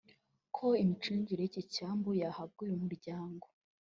ko imicungire y’iki cyambu yahabwa uyu muryango